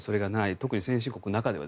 特に先進国の中では。